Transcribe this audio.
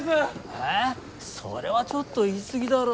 えそれはちょっと言い過ぎだろ。